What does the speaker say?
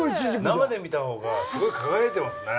生で見たほうがすごい輝いてますね。